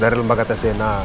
dari lembaga test dna hexagonal